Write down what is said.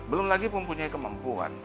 belum lagi mempunyai kemampuan